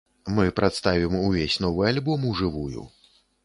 Мы прадставім увесь новы альбом у жывую.